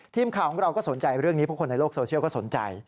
ทีมข่าวของเราก็สนใจเรื่องนี้เพราะคนในโลกโซเชียลก็สนใจ